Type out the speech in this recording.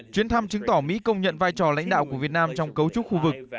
chuyến thăm chứng tỏ mỹ công nhận vai trò lãnh đạo của việt nam trong cấu trúc khu vực